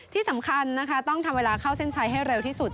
ที่สำคัญนะคะต้องทำเวลาเข้าเส้นชัยให้เร็วที่สุด